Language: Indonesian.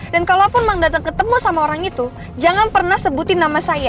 dan kalaupun mang dadang ketemu sama orang itu jangan pernah sebutin nama saya